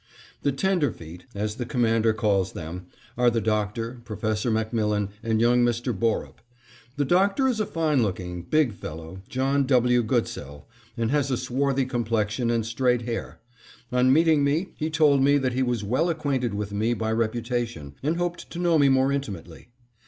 The tenderfeet, as the Commander calls them, are the Doctor, Professor MacMillan, and young Mr. Borup. The Doctor is a fine looking, big fellow, John W. Goodsell, and has a swarthy complexion and straight hair; on meeting me he told me that he was well acquainted with me by reputation, and hoped to know me more intimately.